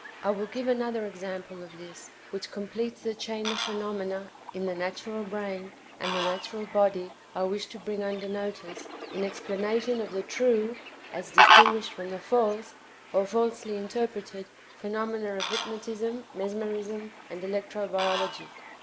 I will give another example of this, which completes the chain of phenomena in the natural brain and the natural body I wish to bring under notice in explanation of the true as distinguished from the false, or falsely interpreted, phenomena of hypnotism, mesmerism and electro biology.